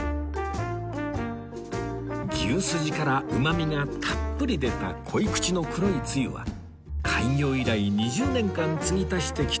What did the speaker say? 牛すじからうまみがたっぷり出た濃い口の黒いつゆは開業以来２０年間継ぎ足してきた秘伝の味